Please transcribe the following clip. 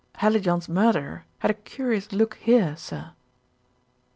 Hallijohn's murderer had a curious look here, sir."